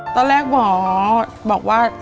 ตอนแรกหมอบอกว่า